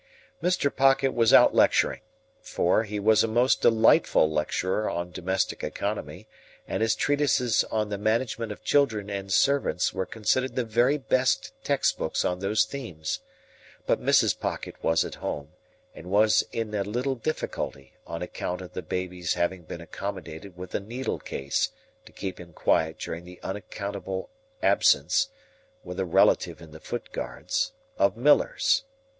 Mr. Pocket was out lecturing; for, he was a most delightful lecturer on domestic economy, and his treatises on the management of children and servants were considered the very best text books on those themes. But Mrs. Pocket was at home, and was in a little difficulty, on account of the baby's having been accommodated with a needle case to keep him quiet during the unaccountable absence (with a relative in the Foot Guards) of Millers.